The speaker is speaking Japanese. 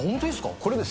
これです。